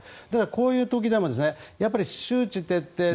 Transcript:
こういう時でも周知徹底。